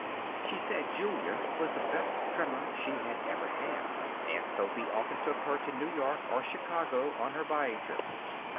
She said Julia was the best trimmer she had ever had. Aunt Sophy often took her to New York or Chicago on her buying trips.